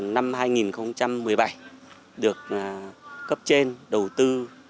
năm hai nghìn một mươi bảy được cấp trên đầu tư